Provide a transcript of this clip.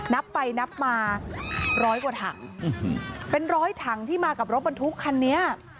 นับไปนับมาร้อยกว่าถังเป็นร้อยถังที่มากับรถบรรทุกคันนี้